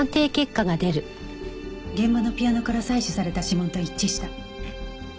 現場のピアノから採取された指紋と一致した。